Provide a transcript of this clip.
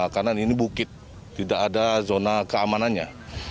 karena ini bukit tidak ada zona keamanannya